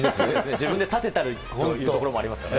自分で立てたりというところもありますからね。